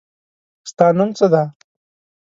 ستا نوم څه دی؟